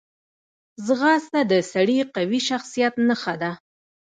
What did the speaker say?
ځغاسته د سړي قوي شخصیت نښه ده